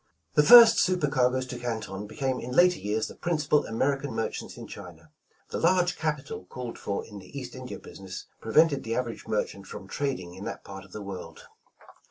The first super cargoes to Canton became in later years the principal American merchants in China. Thi» large capital called for in the East India business, prevented the average merchant from trading in that part of the world.